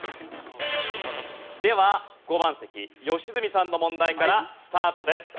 では５番席良純さんの問題からスタートです。